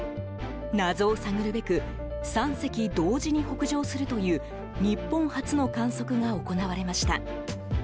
謎を探るべく３隻同時に北上するという日本初の観測が行われました。